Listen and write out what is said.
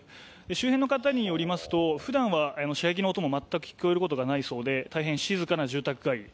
周辺の方によりますと、ふだんは、射撃の音も全く聞こえることがないそうで、大変静かな住宅街。